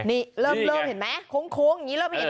นี่เริ่มเริ่มเห็นมั้ย